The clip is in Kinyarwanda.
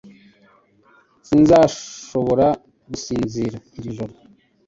Sinzashobora gusinzira iri joro